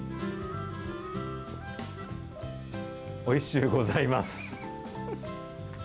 おいしゅうございます。